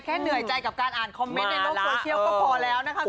เหนื่อยใจกับการอ่านคอมเมนต์ในโลกโซเชียลก็พอแล้วนะคะ